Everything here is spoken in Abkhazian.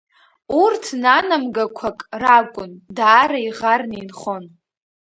Урҭ нанамгақәак ракәын, даара иӷарны инхон…